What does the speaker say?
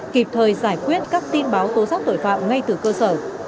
kịp thời giải quyết các tin báo tố giác tội phạm ngay từ cơ sở